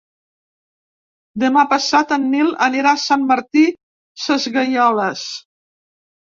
Demà passat en Nil anirà a Sant Martí Sesgueioles.